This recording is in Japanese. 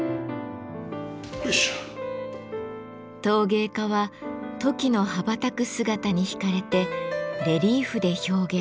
陶芸家はトキの羽ばたく姿に引かれてレリーフで表現。